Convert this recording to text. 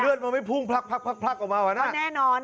เลือดมันไม่พุ่งพลักออกมาเหรอแน่นอน